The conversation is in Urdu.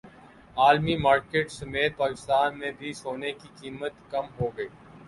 عالمی مارکیٹ سمیت پاکستان میں بھی سونے کی قیمت کم ہوگئی